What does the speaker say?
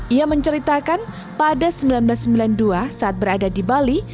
ia menceritakan pada seribu sembilan ratus sembilan puluh dua saat berada di bali